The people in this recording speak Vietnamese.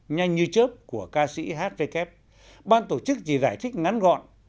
nhanh như chớp của ca sĩ hvk ban tổ chức chỉ giải thích ngắn gọn